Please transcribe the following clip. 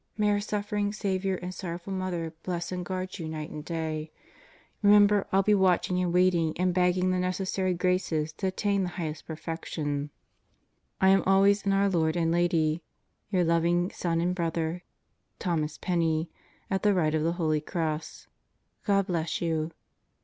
May our suffering Saviour and Sorrowful Mother bless and guard you night and day. Remember I'll be watching and waiting and begging the necessary graces to attain the highest perfection. I am always in our Lord and Lady, your loving Son and Bro. Thomas Penney At the right of the Holy Cross God bless you.